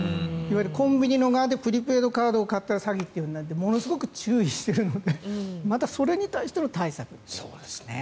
コンビニ側でプリペイドカードを買ったら詐欺ということでものすごく注意しているのでまたそれに対しての対策ですね。